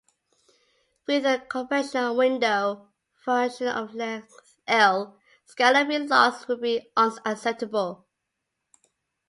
With a conventional window function of length "L", scalloping loss would be unacceptable.